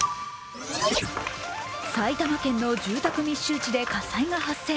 埼玉県の住宅密集地で火災が発生。